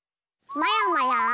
まやまや！